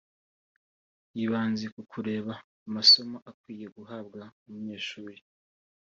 yibanze ku kureba amasomo akwiye guhabwa umunyeshuri